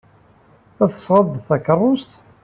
I tesɣeḍ-d takeṛṛust?